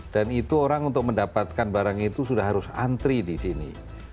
dan itu orang untuk mendapatkan barang itu sudah harus antri di sini